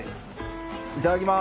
いただきます。